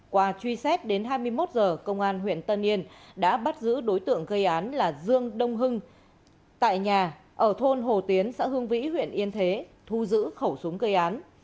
qua truy xét đến hai mươi một h công an huyện tân yên đã bắt giữ đối tượng gây án là dương đông hưng tại nhà ở thôn hồ tiến xã hương vĩ huyện yên thế thu giữ khẩu súng gây án